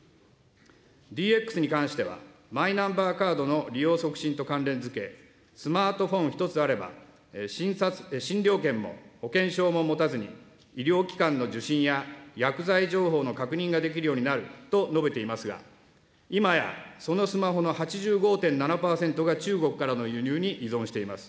ＤＸに関しては、マイナンバーカードの利用促進と関連づけ、スマートフォン一つあれば診療券も保険証も持たずに医療機関の受診や薬剤情報の確認ができるようになると述べていますが、今やそのスマホの８５．７％が中国からの輸入に依存しています。